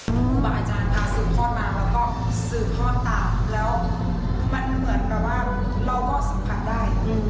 บาอาจารย์พาซื้อครอบมาแล้วก็ซื้อครอบต่างแล้วมันเหมือนแบบว่าเราก็สัมผัสได้